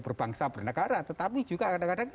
berbangsa bernegara tetapi juga kadang kadang